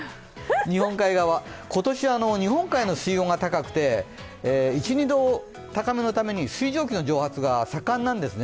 今年は日本海の水温が高くて、１２度高めのために水蒸気の蒸発が盛んなんですね。